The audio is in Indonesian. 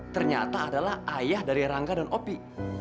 ternyata adalah ayah dari rangga dan opi